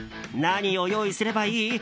何を用意すればいい？